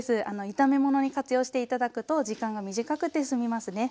炒め物に活用して頂くと時間が短くてすみますね。